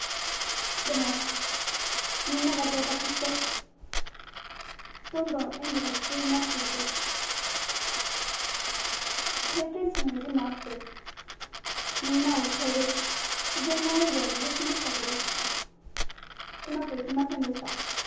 でも、みんなが上達して、どんどん演技が自然になっていって経験者の意地もあって、みんなを超える自然な演技を目指しましたけど、うまくいきませんでした。